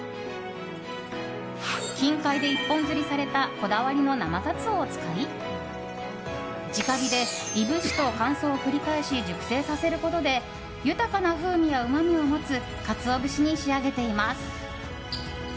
近海で一本釣りされたこだわりの生ガツオを使い直火でいぶしと乾燥を繰り返し熟成させることで豊かな風味やうまみを持つカツオ節に仕上げています。